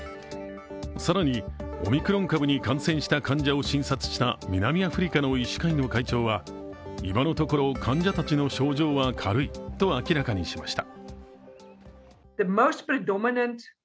更にオミクロン株に感染した患者を診察した南アフリカの医師会の会長は今のところ患者たちの症状は軽いと明らかにしました。